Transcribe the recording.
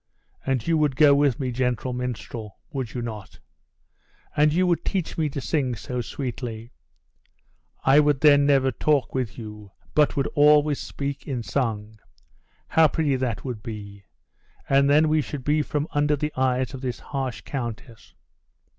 and you would go with me, gentle minstrel, would you not? And you would teach me to sing so sweetly! I would then never talk with you, but would always speak in song; how pretty that would be! and then we should be from under the eyes of this harsh countess.